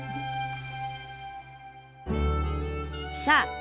さあ